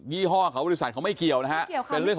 ยี่ห้อบริษัทงานมันไม่เกี่ยวเลยนะคะ